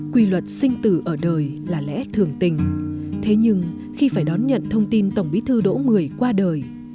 quy luật sinh tử ở đời là lẽ thường tình thế nhưng khi phải đón nhận thông tin tổng bí thư đỗ mười qua đời